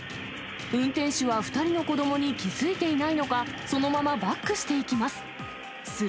運転手は２人の子どもに気付いていないのか、そのままバックしていきます。